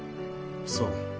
そう。